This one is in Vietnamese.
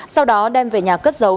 sau đó đem về nhà cất giấu